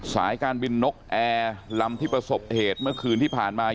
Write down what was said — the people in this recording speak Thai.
สายการบินนกแอร์ลำที่ประสบเหตุเมื่อคืนที่ผ่านมา